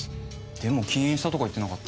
でも禁煙したとか言ってなかった？